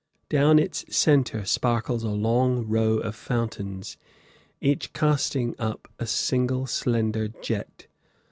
Down its centre sparkles a long row of fountains, each casting up a single slender jet.